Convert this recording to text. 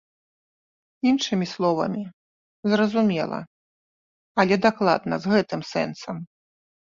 Іншымі словамі, зразумела, але дакладна з гэтым сэнсам.